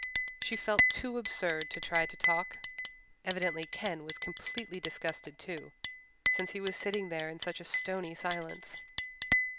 She felt too absurd to try to talk. Evidently Ken was completely disgusted, too, since he was sitting there in such stony silence.